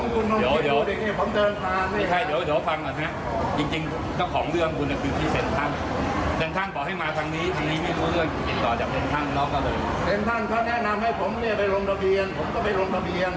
เข้าไม่ได้ตามการขีบไม่ได้